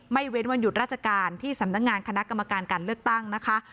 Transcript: เว้นวันหยุดราชการที่สำนักงานคณะกรรมการการเลือกตั้งนะคะ